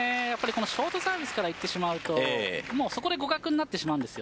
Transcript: ショートサービスからいってしまうとそこで互角になってしまうんです。